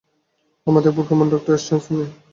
আমরা দেখব কেমন ডক্টর স্ট্রেঞ্জ তুমি।